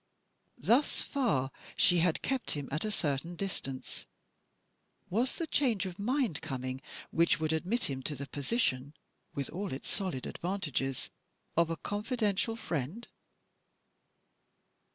Thus far she had kept him at a certain distance. Was the change of mind coming, which would admit him to the position (with all its solid advantages) of a confidential friend?